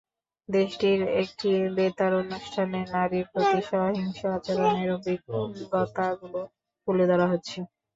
দেশটির একটি বেতার অনুষ্ঠানে নারীর প্রতি সহিংস আচরণের অভিজ্ঞতাগুলো তুলে ধরা হচ্ছে।